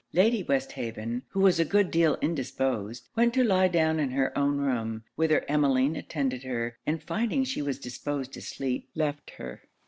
Lady Westhaven, who was a good deal indisposed, went to lie down in her own room; whither Emmeline attended her, and finding she was disposed to sleep, left her.